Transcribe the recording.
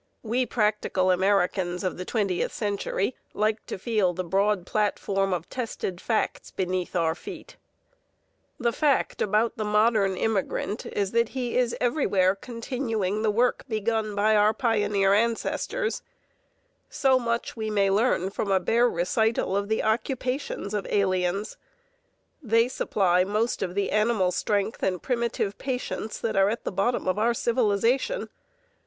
We practical Americans of the twentieth century like to feel the broad platform of tested facts beneath our feet. [Illustration: ROUGH WORK AND LOW WAGES FOR THE IMMIGRANT] The fact about the modern immigrant is that he is everywhere continuing the work begun by our pioneer ancestors. So much we may learn from a bare recital of the occupations of aliens. They supply most of the animal strength and primitive patience that are at the bottom of our civilization.